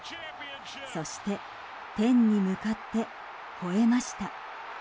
そして天に向かってほえました。